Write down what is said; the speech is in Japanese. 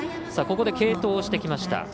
ここで継投してきました。